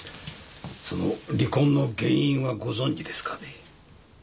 その離婚の原因はご存じですかね？